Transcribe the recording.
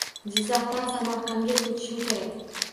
Jizzaxdan Samarqandga ko‘chishim kerak.